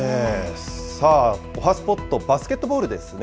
さあ、おはＳＰＯＴ、バスケットボールですね。